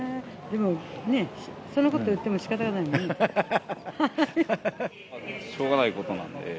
でもね、そんなこといってもしかたがないね。